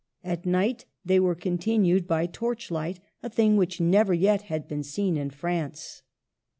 At night they were continued by torchlight, — a thing which never yet had been seen in France.